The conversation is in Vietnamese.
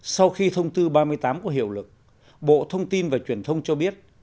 sau khi thông tư ba mươi tám có hiệu lực bộ thông tin và truyền thông cho biết